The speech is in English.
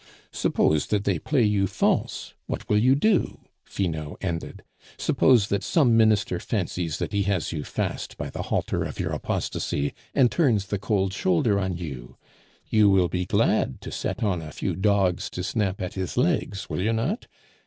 "Suppose that they play you false, what will you do?" Finot ended. "Suppose that some Minister fancies that he has you fast by the halter of your apostasy, and turns the cold shoulder on you? You will be glad to set on a few dogs to snap at his legs, will you not?